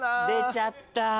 出ちゃった。